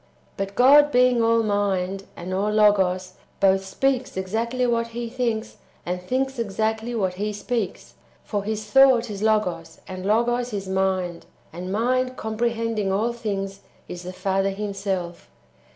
5. But God being all Mind, and all Logos, both speaks exactly what He thinks, and thinks exactly what He speaks. For His thought is Logos, and Logos is Mind, and Mind comprehending all things is the Father Himself.